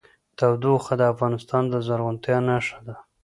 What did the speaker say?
تودوخه د افغانستان د زرغونتیا نښه ده.